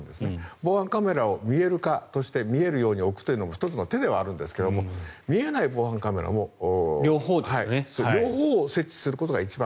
防犯カメラを見える化見えるように置くというのも１つの手ではあるんですが見えない防犯カメラも両方設置することが一番。